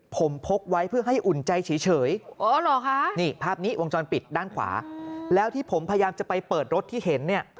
ผมพกไว้เพื่อให้อุ่นใจเฉยนี่ภาพนี้วงจรปิดด้านขวาแล้วที่ผมพยายามจะไปเปิดรถที่เห็นเนี่ย